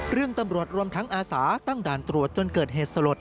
ตำรวจรวมทั้งอาสาตั้งด่านตรวจจนเกิดเหตุสลด